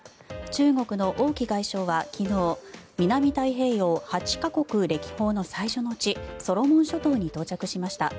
中国の王毅外相は昨日南太平洋８か国歴訪の最初の地ソロモン諸島に到着しました。